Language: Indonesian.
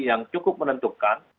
yang cukup menentukan